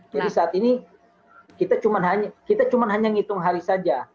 jadi saat ini kita hanya ngitung hari saja